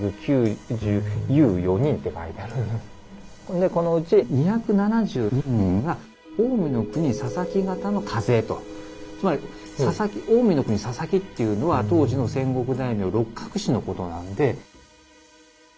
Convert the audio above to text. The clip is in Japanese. でこのうち２７２人がつまり「近江国佐々木」っていうのは当時の戦国大名六角氏のことなんで。